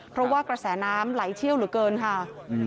เพราะว่ากระแสน้ำไหลเชี่ยวเหลือเกินค่ะ